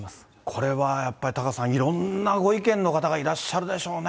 これはやっぱりタカさん、いろんなご意見の方がいらっしゃるでしょうね。